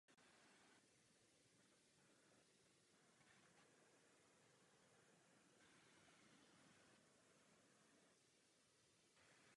Nakonec ale nebyl zvolen.